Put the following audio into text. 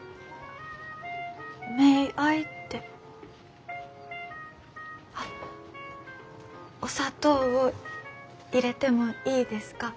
メイアイってあっ「お砂糖を入れてもいいですか？」。